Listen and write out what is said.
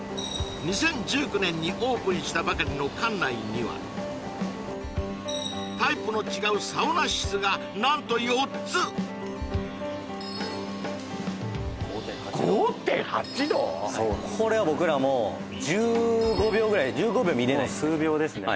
２０１９年にオープンしたばかりの館内にはタイプの違うサウナ室が何と４つこれは僕らも１５秒ぐらい１５秒もいれないっす数秒ですね